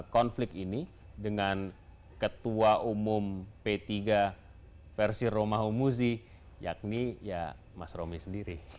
konflik ini dengan ketua umum p tiga versi roma humuzi yakni ya mas romi sendiri